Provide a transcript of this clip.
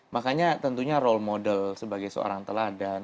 makanya tentunya role model sebagai seorang teladan